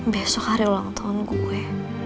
besok hari ulang tahun gue